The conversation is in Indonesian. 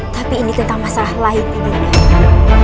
tapi ini tentang masalah lain ibu nera